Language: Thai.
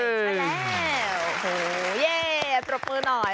โอ้โฮเย่ปรบมือหน่อย